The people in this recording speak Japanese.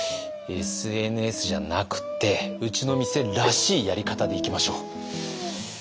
ＳＮＳじゃなくてうちの店らしいやり方でいきましょう。